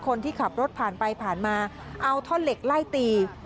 คนที่ขับรถผ่านไปผ่านมาเอาท่อนเหล็กไล่ตี